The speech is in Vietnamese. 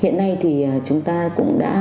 hiện nay thì chúng ta cũng đã